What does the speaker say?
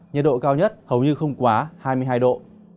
nhiệt độ cao nhất hầu như không quá hai mươi hai độ